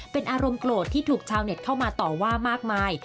เป็นอารมณ์โกรธที่ถูกชาวเน็ตเข้ามาต่อว่ามากมาย